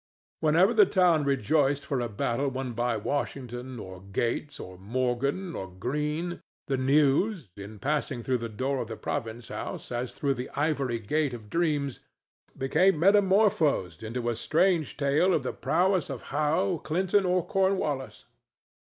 Whenever the town rejoiced for a battle won by Washington or Gates or Morgan or Greene, the news, in passing through the door of the province house as through the ivory gate of dreams, became metamorphosed into a strange tale of the prowess of Howe, Clinton or Cornwallis.